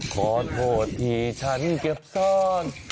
ขอโทษที่ฉันเก็บซ่อน